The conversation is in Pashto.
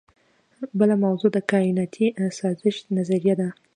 بله موضوع د کائناتي سازش نظریه ده.